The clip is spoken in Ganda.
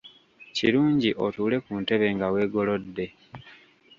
Kirungi otuule ku ntebe nga weegolodde .